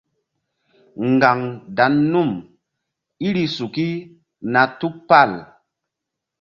Ŋgaŋ dan num iri suki na tupal.